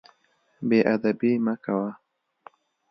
بې ادبي مه کوه.